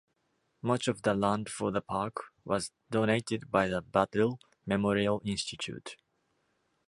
Much of the land for the park was donated by the Battelle Memorial Institute.